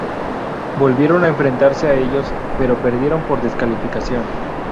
Volvieron a enfrentarse a ellos, pero perdieron por descalificación.